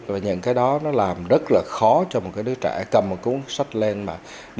và những cái đó nó làm rất là khó cho một cái đứa trẻ cầm một cuốn sách lên mà